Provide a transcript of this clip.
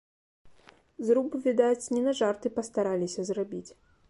Зруб, відаць, не на жарты пастараліся зрабіць.